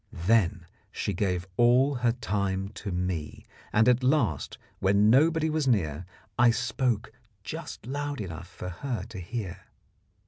Then she gave all her time to me, and at last, when nobody was near, I spoke just loud enough for her to hear.